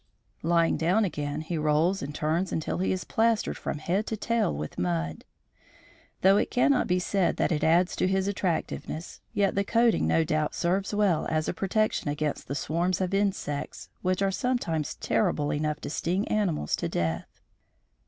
Lying down again he rolls and turns until he is plastered from head to tail with mud. Though it cannot be said that it adds to his attractiveness, yet the coating no doubt serves well as a protection against the swarms of insects, which are sometimes terrible enough to sting animals to death.